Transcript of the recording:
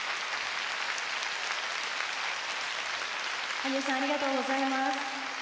「羽生さんありがとうございます」